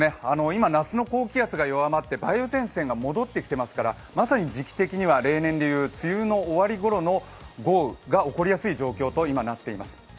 今、夏の高気圧が弱まって梅雨前線が戻ってきていますから、まさに時期的には例年で言う梅雨の終わりごろの豪雨が起こりやすい状況と今なっています。